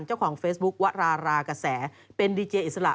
เจ้าของเฟซบุ๊ควรารากระแสเป็นดีเจออิสระ